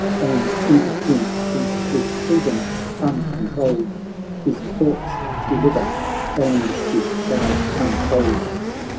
And bid him speak with freedom uncon trolled. His thoughts deliver and his charge un fold.'